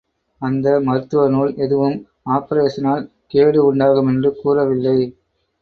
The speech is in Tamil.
அந்த மருத்துவ நூல் எதுவும் ஆப்பரேஷனால் கேடு உண்டாகுமென்று கூற வில்லை.